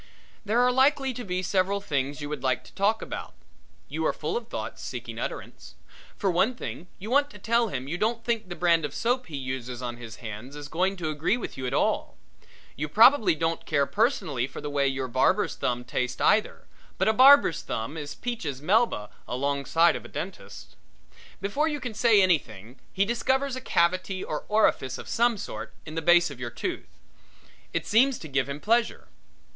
There are likely to be several things you would like to talk about. You are full of thoughts seeking utterance. For one thing you want to tell him you don't think the brand of soap he uses on his hands is going to agree with you at all. You probably don't care personally for the way your barber's thumb tastes either, but a barber's thumb is Peaches Melba alongside of a dentist's. Before you can say anything though he discovers a cavity or orifice of some sort in the base of your tooth. It seems to give him pleasure.